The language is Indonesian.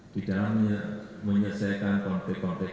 di dalamnya menyelesaikan konflik konflik